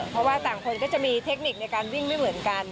เพราะว่าต่างคนก็จะมีเทคนิคในการวิ่งไม่เหมือนกัน